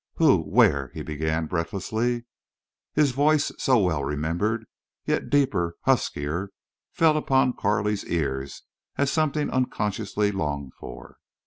—who—where?" he began, breathlessly. His voice, so well remembered, yet deeper, huskier, fell upon Carley's ears as something unconsciously longed for.